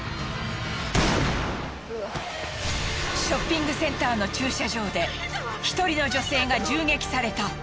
ショッピングセンターの駐車場で１人の女性が銃撃された。